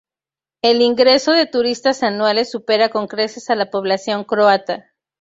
El ingreso de turistas anuales supera con creces a la población croata.